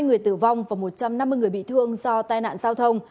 một mươi năm người tử vong và một trăm năm mươi người bị thương do tai nạn giao thông